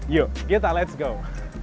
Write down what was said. yuk kita let's go